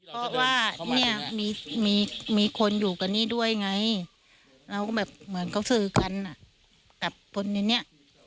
เพราะว่านี่มีคนอยู่กับนี่ด้วยไง